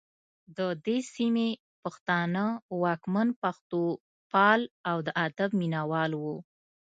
د دې سیمې پښتانه واکمن پښتوپال او د ادب مینه وال وو